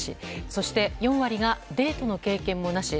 そして４割がデートの経験もなし。